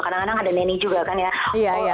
kadang kadang ada neni juga kan ya